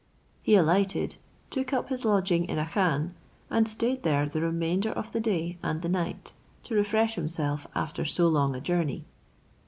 He alighted, took up his lodging in a khan, and stayed there the remainder of the day and the night, to refresh himself after so long a journey.